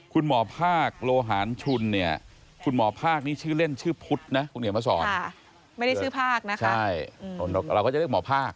คุณพ่อภาคโลหารชุนเนี่ยคุณหมอภาคนี้ชื่อเล่นชื่อพุทธนะคุณเหนียวมาสอนไม่ได้ชื่อภาคนะคะใช่เราก็จะเรียกหมอภาค